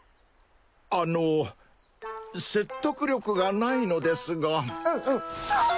あの説得力がないのですがうんうん